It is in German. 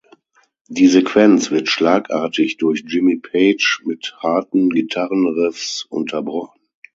Die Sequenz wird schlagartig durch Jimmy Page mit harten Gitarrenriffs unterbrochen.